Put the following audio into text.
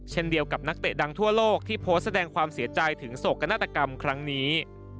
เดียวกับนักเตะดังทั่วโลกที่โพสต์แสดงความเสียใจถึงโศกนาฏกรรมครั้งนี้